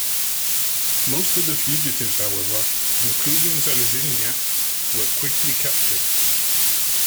Most of the fugitives however, including Zaliznyak, were quickly captured.